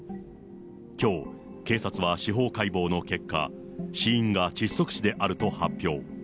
きょう、警察は司法解剖の結果、死因が窒息死であると発表。